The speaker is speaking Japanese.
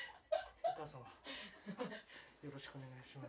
お母様よろしくお願いします